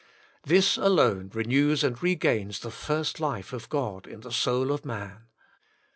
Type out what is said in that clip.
This alone renews and regains the first life of God in the soul of man.